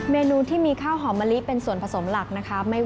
เมนูที่มีข้าวหอมมะลิเป็นส่วนผสมหลักนะคะ